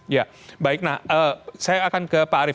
ya baik nah saya akan ke pak arief